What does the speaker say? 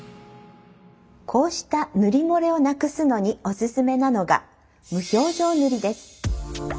こうした塗り漏れをなくすのにおすすめなのが無表情塗りです。